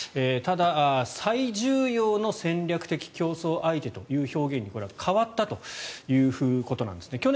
ただ、最重要の戦略的競争相手という表現に変わったということなんですね。